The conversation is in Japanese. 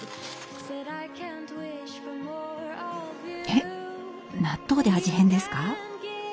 えっ納豆で味変ですか？